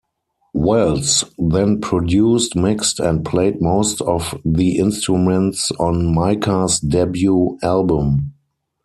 Wells then produced, mixed and played most of the instruments on Mika's debut album.